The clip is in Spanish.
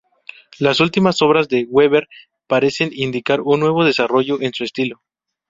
Las últimas obras de Webern parecen indicar un nuevo desarrollo en su estilo.